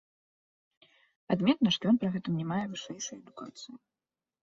Адметна, што ён пры гэтым не мае вышэйшай адукацыі.